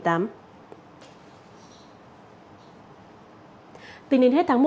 tính đến hết tháng một năm hai nghìn một mươi chín